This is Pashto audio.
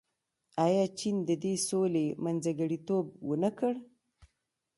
آیا چین د دې سولې منځګړیتوب ونه کړ؟